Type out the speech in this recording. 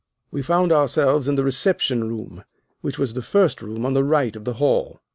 We found ourselves in the reception room, which was the first room on the right of the hall.